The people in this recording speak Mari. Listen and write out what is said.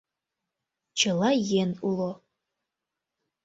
Чыла йӧн уло.